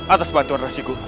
atas bantuan resi guru